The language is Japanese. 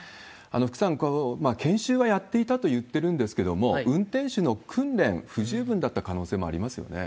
福さん、これは研修はやっていたと言っているんですけれども、運転手の訓練、不十分だった可能性もありますよね。